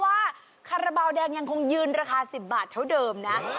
รู้นะว่าคันระเบาแดงยังคงยืนราคา๑๐บาทเท่าเดิมนะ